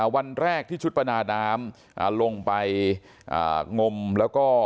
วันแรกที่ชุดประดาน้ำลงไปงมแล้วก็